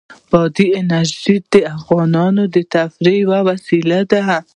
بادي انرژي د افغانانو د تفریح یوه وسیله ده.